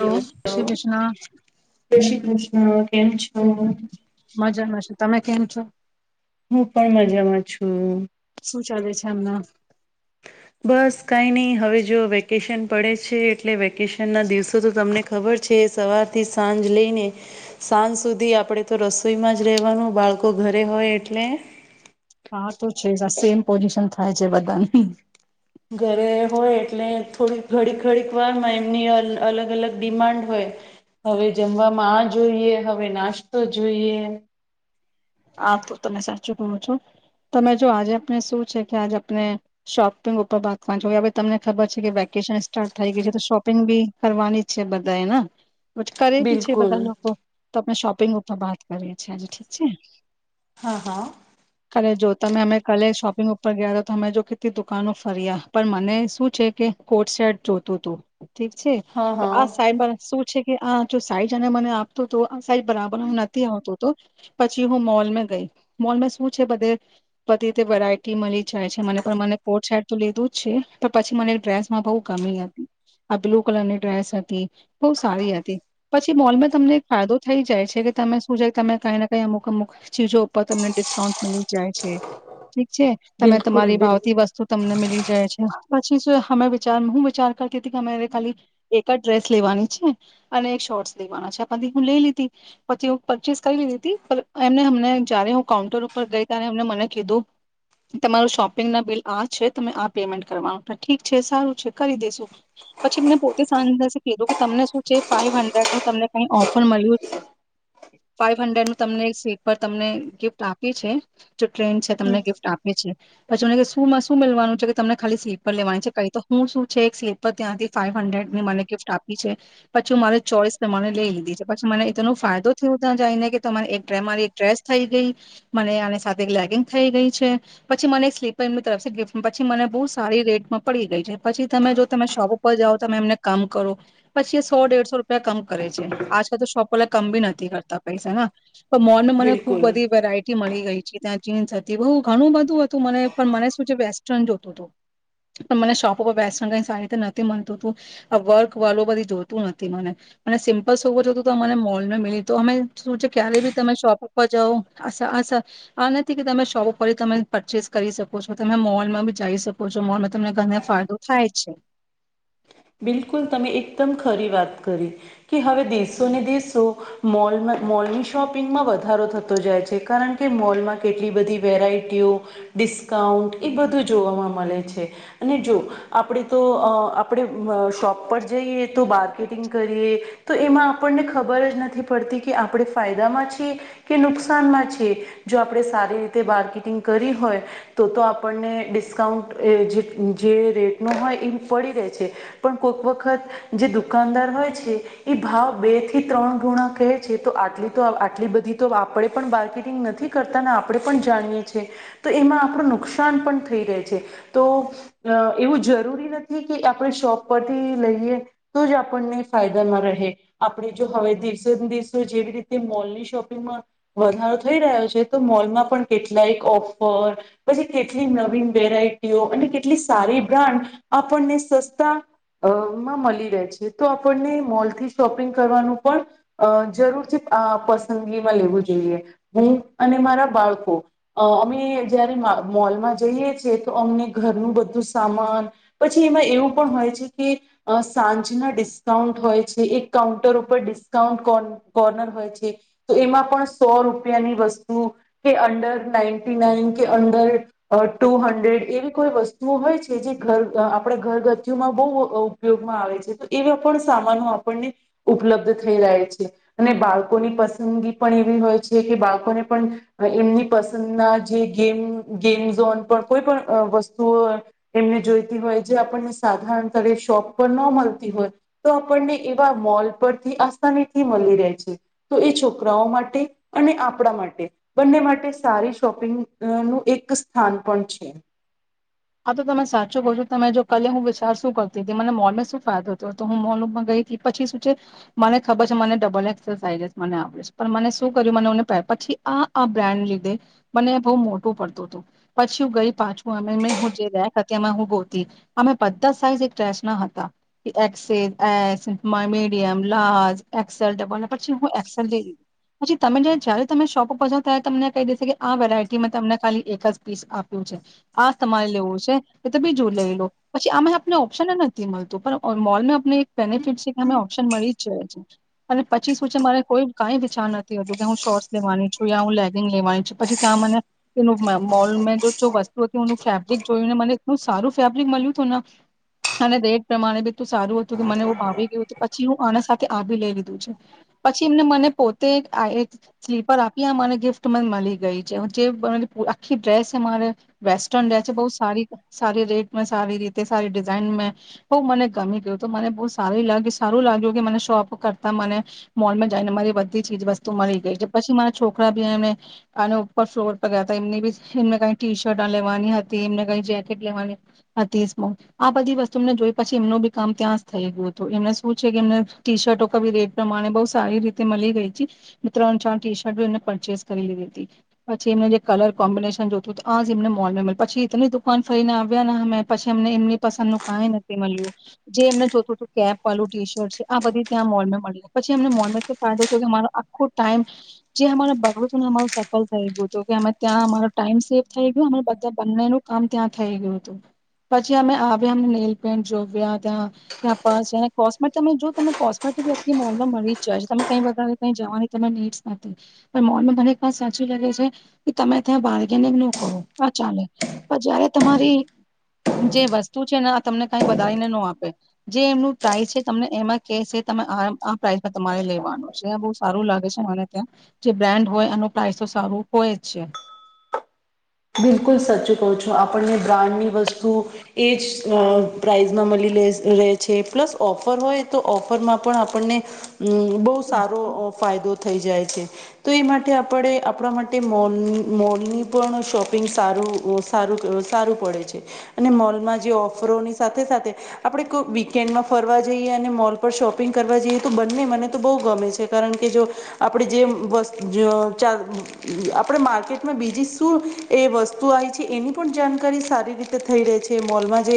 Hello Shri Krishna જય શ્રી કૃષ્ણ કેમ છો? મજામાં છે. તમે કેમ છો? હું પણ મજામાં છું. શું ચાલે છે હમના? બસ કાંઈ નહીં હવે જો વેકેશન પડે છે એટલે વેકેશનના દિવસો તો તમને ખબર છે સવારથી સાંજ લઈને સાંજ સુધી આપણે તો રસોઈમાં જ રહેવાનું બાળકો ઘરે હોય એટલે. હા તો છે સેમ પોઝિશન થાય છે બધાની. ઘરે હોય એટલે થોડીક ઘડીક ઘડીક વારમાં એમની અલગ અલગ ડિમાન્ડ હોય. હવે જમવામાં આજ જોઈએ, હવે નાસ્તો જોઈએ. આ તો તમે સાચું કહો છો. તમે જો આજે આપને શું છે કે આજે આપને શોપિંગ ઉપર બાતવાનું છે કે હવે તમને ખબર છે કે વેકેશન સ્ટાર્ટ થઈ ગઈ છે. તો શોપિંગ બી કરવાની જ છે બધાયને પછી કરે બી છે બિલકુલ બધા લોકો તોપે શોપ પિંગ ઉપર બાત કરીએ છીએ આજે ઠીક છે. હા હા. કલે જો તમે અમે કાલે શોપિંગ ઉપર ગયાતા તો અમે જો કેટલી દુકાનો ફર્યા પણ મને શું છે કે કોટ શેર્ટ જોતું તું. ઠીક છે. હા પણ હા આ સાહેબ મારા શું છે કે આ જો સાઈજ અને મને આપતો તો સાઈબ બરાબર નો નથી આવતો તો પછી હું મોલ મે ગઈ મોલ શું છે બધે બધી રીતે વેરાયટી મળી જાય છે મને મને કોર્ટ સાટ તો લીધું જ છે પણ પછી મને ડ્રેસમાં બહુ ગમી હતી આ બ્લુ કલરની ડ્રેસ હતી બહ સારી હતી પછી મોલમાં તમને એક ફાયદો થઈ જાય છે કે તમે શું જાય તમે કઈ ના કઈ અમુક અમુક ચીજો ઉપર તમને ડિસ્કાઉન્ટ મી જાય છે ઠીક છે તમે બિલકુલ તમારી બિલ ભાવતી વસ્તુ તમને મીલી જાય છે પછી અ વિચાર હું વિચાર કરતી હતી કે અરે ખાલી એક જ ડ્રેસ લેવાની છે અને એક શોર્ટસ લેવાના છે પછી હું લઈ લીધી પછી હું પરચેસ કરી લીધી હતી પર એમને અમને જય્યારે હું કાઉન્ટર ઉપર ગઈ ત્યારે એમને મને કીધું તમારું શોપિંગના બિલ આ છે તમે આ પેમેન્ટ કરવાનું ઠીક છે સારું છે કરી દેસું પછી અમને પોતે સાંધ કીધું કે તમને શું છે ફાઈવ હંડ્રેડ નું તમને કઈ ઓફર મળ્યું જ છે ફાઇવ હંડ્રેડનું તમને સ્લીપર તમને ગિફ્ટ આપી છે જો ટ્રેન છે હમ તમને ગિફ્ટ આપે છે પછી મને શુંમાં શું મેવાનું છે કે તમને ખાલી સ્લીપર લેવાની છે કઈ તો હું શું છે એક સ્લીપર ત્યાંથી ફાવ હન્ડ્રેડ ની મને ગિફ્ટ આપી છે પછીું મારી ચોઈસ તમારે લઈ લીધી છે પછી મને એનો ફાયદો થયો ત્યાં જઈને કે તમારે મારી એક ડ્રેસ થઈ ગઈ મને આની સાથે એક લેગિંગ થઈ ગઈ છે પછી મને એક સ્લીપર એમની તરફ ગિફ્ટ પછી મને બહુ સારી રેટમાં પડી ગઈ છે પછી તમે જો તમે શોપ ઉપર જાઓ તમે એમને કામ કરો પછી એ સો દેડસો રૂપિયા કમ કરે છે આજકાલ તો શોપ વાળા કમ બી નથી કરતા પૈસા તો મોનને મને ખુબ બિલકુલ બધી વેરાયટી મળી ગઈ ત્યા જીન્સ હતી બુ ઘણું બધું હતું મને પણ મને શું છે વેસ્ટર્ન જોતું હતું પણ મને શોપ ઉપર વેસ્ટર્ન કઈ સારી રીતે નથી મળનતું તું વર્ક વાળું બધી જોતું નથી મને મને સિમ્પલસવર જોતું તો મને મોલ ન મળીું અમે શું છે ક્યારે બી તમે શોપ ઉપર જાવ આ સ સર આ નથી કે તમે શોપ ઉપર તમે પરચેસ કરી શકો છો તમે મોલમાં બી જઈ શકો છો મોલમાં તમને ઘને ફાયદો થાય જ છે બિલકુલ તમે એકદમ ખરી વાત કરી કે હવે દેશો ને દેશો મોલમાં મોલની શોપિંગમાં વધારો થતો જાય છે કારણ કે મોલમાં કેટલી બધી વેરાયટીઓ ડિસ્કાઉન્ટ એ બધું જોવામાં મળે છે અને જો આપણે તો આપણે શોપ પર જઈએ તો બાર્કેટિંગ કરીએ તો એમાં આપણને ખબર જ નથી પડતી કે આપણે ફાયદામાં છીએ કે નુકસાનમાં છીએ જો આપણે સારી રીતે બારકેટિંગ કરી હોય તો તો આપણને ડિસ્કાઉન્ટ એ જે જે રેટનો હોય એ પડી રહે પણ કોક વખત જે દુકાનદાર હોય છે એ ભાવ બે થી ત્રણ ગુણા કહે છે તો આટ તો આટલી બધી તો આપણે પણ માર્કેટિંગ નથી કરતા આપણે પણ જાણીએ છી તો એમાં આપણું નુકસાન પણ થઈ રહે છે તો એવું જરૂરી નથી આપણી શોપ પરથી લઈએ તો જ આપણને ફાયદામાં રહે આપણે જો હવે દિવસે ને દિવસો જેવી રીતે મોલની શોપિંગમાં વધારો થઈ રહ્યો છે તો મોલમાં પણ કેટલાયક ઓફર પછી કેટલી નવી વેરાયટીઓ અને કેટલી સારી બ્રાન્ડ આપણને સસ્તા મા મળી રહે છે તો આપણને મોલથી શોપિંગ કરવાનું પણ જરૂરથી પસંદગીમાં લેવું જોઈએ હું અને મારા બાળકો અમે જયારે મ મોલમાં જઈએ છેએ તો અમને ઘરનું બધું સામાન પછી એમાં એવું પણ હોય છે કે અ સાંજના ડિસ્કાઉન્ટ હોય છે એક કાઉન્ટર ઉપર ડિસ્કાઉન્ટ કો કોર્નર હોય છે તો એમાં પણ સો રૂપિયાની વસ્તુ કે અંડર નાઈન્ટી નાઈન કે અંડર ટુ હંડ્રેડ એવી કોઈ વસ્તુઓ હોય છે જે ઘર આપણે ઘરગથ્થઓમાં બહુ ઉપયોગમાં આવે છે તો એવા પણ સામાનો આપણને ઉપલબ્ધ થઈ રહે્યા છે અને બાળકોની પસંદગી પણ એવી હોય છે કે બાળકોને પણ એમની પસંદના જે ગેમ ગેમઝોન પણ કોઈ પણ વસ્તુઓ એમને જોઈતી હોય જે આપણને સાધારણ તરે શોપ પર ન મળતી હોય તો આપણને એવા મોલ પરથી આસાનીથી મળી રહે છે તો એ છોકરાઓ માટે અને આપણા માટે બંને માટે સારી શોપિંગ નું એક સ્થાન પણ છે હા તો તમે સાચું કહ છો તમે જો કલે હું વિચાર શું કરતી હતી મને મોલમાં શું ફાયદો હતો તો હું મોલમાં ગઈ પછી શું છે મને ખબર છે મને ડબલ એસરસાઇઝસ મને આવે છે પણ મને શું કર્યું મનેને પ પછી આ બ્રાન્ડ લીધે મને બહુ મોટું પડતું હતું પછી હું ગઈ પાછું પછી એ બે માં હું ગોતી અમે બધા સાઈઝ એક ટ્રેચ ના હતા એક્સે S medium large XL double પછી હું એક્સેલ જઈ લીધ પછી તમે જયારે તમે શોપ ઉપર જાાવ ત્યારે તમને કહી દેશે કે આ વેરાયટીમાં તમને ખાલી એક જ પીસ આપ્યું છે આ તમારે એ બીજું લઈ લો પછી અમેને ઓપ્શન નથી મળતું પણ મોલ આપને એક બેનિફિટ છે કે અમે ઓપ્શન મળી જ જાય છે અને પછી શું છે મારે કોઈ ક વિચાર નથીતો કે હું શોર્ટસ લેવાની છું યા હું લેગિંગ લેવાની છું પછી ત્યાં મને એ મોલ વસ્તુ હતી હું ફેબ્રિક જોને મને એટલું સારું ફેબ્રિક મળ્યું હતું ને અને રેટ પ્રમાણે બી એટલું સારું હતું કે મને ઓ ભાવી ગયું હતું પછી હું આના સાથે આવી લઈ લીધું છે પછી એમને મને પોતે સ્લીપર આપી મને ગિફ્ટ મને મળી ગઈ છે જે આખી ડ્રેસ મારે વેસ્ટર્ન ડસ બ સારી સારી રેટ સારી રીતે સારી ડિઝાઇન મે બહુ મને ગમી ગયું તો મને બહુ સારી લાગ સારું લાગ્યું કે મને શોપ કરતા મને મોલમાં જઈને મારી બધી ચીજ વસ્તુ મળી ગઈ છે પછી મારા છોકરા બી એમને આ ઉપર ફ્લોર પર ગયા હતા એમની બી એમને કઈ ટી શર્ટ લેવાની હતી એમને જેકેટ લેવાની હતી સ્મો આ બધી વસ્તુને જોઈ પછી એમનું બી કામ ત્યાં જ થઈ ગયું હતું એમને શું છે કે એમને ટી શર્ટો કી રેટ પ્રમાણે બહુ સારી રીતે મળી ગઈ છે મે ત્રણ ચાર ટી શર્ટ એમને પરચેસ કરી લીધી હતી પછી એમને જે કલર કોમ્બિનેશન જોતું આ એમને મોલ મળ પછી એ લીધું ફન ફરીને આવ્યા ને અમે પછી અમને એમની પસંદ નું કંઈ નથી મળ્યું જે એમને જોતું હતું કેપ વાળું ટી શર્ટ છે આ બધી ત્યાં મોલ મળ્યા પછી અમને મોલમાં તો ફાયદો થયો કે અમારો આખું ટાઈમ જે અમારે બગડું હતુંને અમારું સફળ થઈ ગયું હતું કે અમે ત્યાં અમારો ટાઈમ સેવ થઈ ગયો અમા બધા બંને ન આમ ત્યાં થઈ ગયું હતું પછી અમે આવ્યા અમને નેલ પેન્ટ જોવ્યા ત્યાં ત્યાં પસને કોસ્મેટ ત જો તમે કોસ્મેટિકલી મોલમાં મળી જ જાય છે તમે કઈારે કઈ જવાની ત નીડ્સ નથી પણ મોલમાં મને સાચી લાગે છે કે તમે ત્યાં બાર્ગેનિંગ ન કરો હા ચાલે પણ જયારે તમારી જે વસ્તુ છે ને આ તમને કઈ વધારીને ન આપે જે એમનું પ્રાઇસ છે તમને એ કે આ આ પ્રઇસ પર તમારે લેવાનું છે બહ સારું લાગે છે ત્યાં જે બ્રાન્ડ હોય એનું પ્રાઇસ તો સારું હોય જ છે બિલકુલ સચ કહું છું આપણને બ્રાન્ડની વસ્તુ એ જ પ્રાઇઝમાં મળીે રહેે છે પ્લસ ઓફર હોય તો ઓફરમાં પણ આપણને બહુ સારો ફાયદો થઈ જાય છે તો એ માટે આપણે આપણા માટે મોલ મોલની પણ શોપિંગ સારું સારું સારું પડે છે અને મોલમાં જે ઓફરોની સાથે સાથે આપણે કોઈ વીકેન્ડમાં ફરવા જઈએ અને મોલ પર શોપિંગ કરવા જઈએ તો બંને મને તો બહુ ગમે છે કારણ કે જો આપણે જે વસ્તુ આપણે માર્કેટમાં બીજી શું એ વસ્તુ આવી છે એની પણ જાણકારી સારી રીતે થઈ રહે છે મોલમાં જે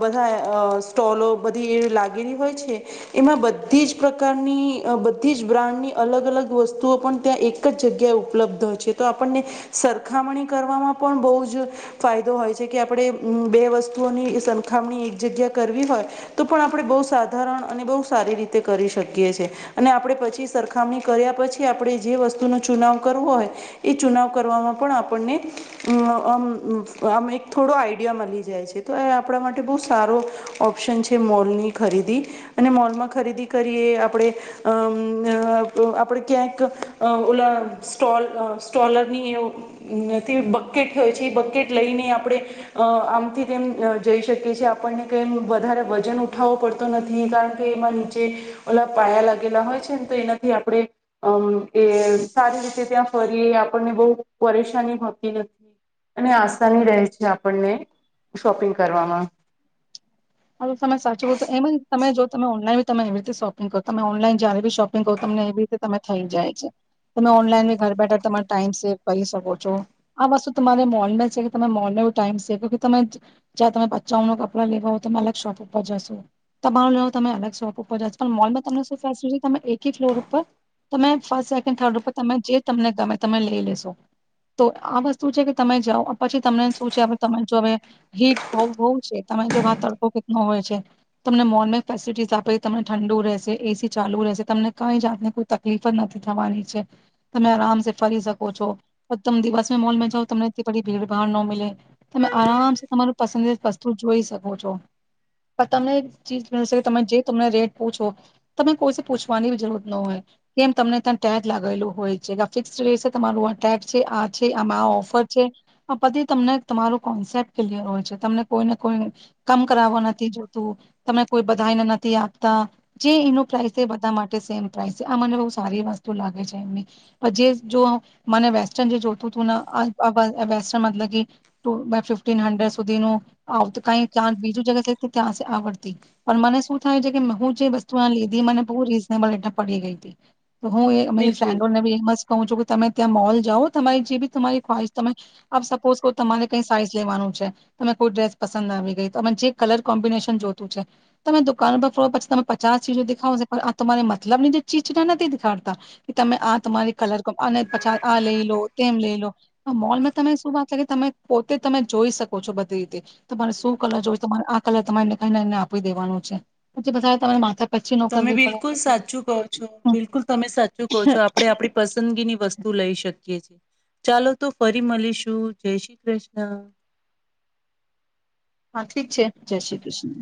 બધા સ્ટોલો બધી એ લાગેલી હોય છે એમાં બધી જ પ્રકારની બધી જ બ્રાન્ડની અલગ અલગ વસ્તુઓ પણ ત્યાં એક જ જગ્યાએ ઉપલબ્ધ હોય છે તો આપણને સરખામણી કરવામાં પણ બહુ જ ફાયદો હોય છે કે આપણે બે વસ્તુઓની સરખામણી એક જગ્યા કરવી હોય તો પણ આપણે બહુ સાધારણ અને બહુ સારી રીતે કરી શકીએ છીએ અને આપણે પછી સરખામણી કર્યા પછી આપણે જે વસ્તુનો ચુનાવ કરવો હોય એ ચુનાવ કરવામાં પણ આપણને મ આમ એક થોડો આઈડિયા મળી જાય છે તો એ આપણા માટે બહુ સારો ઓપ્શન છે મોલની ખરીદી અને મોલમાં ખરીદી કરીએ આપણે અમ અ આપણે ક્યાંક ઓલા સ્ટોલ સ્ટોલરની બકેટ હોય છે એ બકેટ લઈને આપણે આમથી તેમ જઈ શકીએીએ આપણને કઈમ વધારે વજન ઉઠાવવો પડતો નથી કારણ કે એમાં નીચે ઓલા પાયા લાગેલા હોય છે ને તો એનાથી આપણે અ એ સારી રીતે ત્યાં ફરીએ આપણને બહુ પરેશાની અને આસાની રહે છે આપણને શોપિંગ કરવામાં હ તમે સાચું હો તો એમ તમે જો તમે ઓનલાઈન બી તમે એવી રીતે શોપિંગ કરો તમે ઓનલાઈન જયારે બી શોપિંગ કરો તમને એવી રીતે તમે થઈ જાય છે તમે ઓનલાઈન બી ઘર બેઠા તમારો ટાઈમ સેવ કરી શકો છો આ વસ્તુ તમારે મોલ છે કે તમે મોલ ને બી ટાઈમ સેવ તમે જ્યાં તમે પચાઓનું કપડા લેવા તમે અલગ શોપ ઉપર જશો તમારું લ તમે અલગ શોપ ઉપર જશો પણ મોલમાં તમને શું ફેસિલિટી તમે એકી ફ્લોર ઉપર તમે ફર્સ્ટ સેકન્ડ થર્ડ ઉપર તમે જે તમને ગમે તમે લઈ લેશો તો આ વસ્તુ છે કે તમે જાઓ પછી તમને શું છે તમે જો હવે હીટ બ છે તમે જોવા. તમને મોલ ફેસલટી આપે તમને ઠંડુ રહેશે એસી ચાલુ રહેશે તમને કઈ જાતને કોઈ તકલીફ જ નથી થવાની છે તમે આરામ ફરી શકો છો તમે દિવસ મોલમાં જાાવ તમનેથી પ ભીડભાડ ન મીે તમે આરામ તમાર પસંદી વસ્તુ જોઈ શકો છો. પણ તમને ચીજ તમે જે તમને રેટ પૂછો તમે કોઈ પૂછવાની બ જરૂરત ન હોય કેમ તમને ત્યાં ટેગ લાગેલોું હોય છે કે આ ફિક્સ રે તમારું આ ટેગ છે આ છે આમાં આ ઓફર છે પછી તમને તમારું કોન્સેપ્ટ ક્લિયર હોય છે તમને કોઈને કોઈક નથી જોતું તને કોઈ બધાને નથી આપતા જે એનું પ્રાસ છે એ બધા માટે સેમ પ્રાઇસ છે આ મને બ સારી વસ્તુ લાગે છે એમની જે મને વેસ્ટન જે જોતું હતું વસ્ટનફન હડડ સુધીનું આવતું થી ત્યાં આવડતી પણ મને શું થાય છે કે હ જે વસ્તુ લીધી મને બહુ રીઝનેબલ રેટ પડી ગઈ હતી. હું એ મેરી બિલકુલ ફ્રેડોનેી મસ્ત કહું છું. તમે ત્યાં મોલ જાઓ તમારી જે બી તમારી ખહીશ તમે સપોઝ કો તમારે કઈ સાઈઝ લેવાનું છે તમે કોઈ ડ્રેસ પસંદ આવી ગઈ તોમે જે કલર કોમ્બિનેશન જોતું છે તમે દુકાન પર ફ પછી તમે પચાસ ચીજો દેખાવોો પણ આ તમારી મતલબ ની જે ચીજ ના નથી દેખાડતા કે તમે આ તમારી કલર પ આ લઈ લો તેમ લઈ લો મોલમાં તમે શું વાત લાગ તમે પોતે તમે જોઈ શકો છો બધી રીતે તમારે શું કલર જોઈએ રે આ કલર તમાને કને એને આપી દેવાનું છે પછ બ તમા માથા પચ્ચી ન તમે કરવી બિલકુલ પડે સાચું કહો છો બિલકુલ તમે સાચું કહો છો આપે આપણી પસંદ ની વસ્તુ લઈ શકે. ચાલો તો ફરી મળીશું જય શ્રી કૃષ્ણ. અચ્છા. ઠીક છે જય શ્રી કૃષ્ણ.